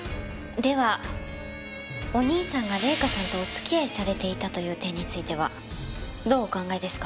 ではお兄さんが礼香さんとお付き合いされていたという点についてはどうお考えですか？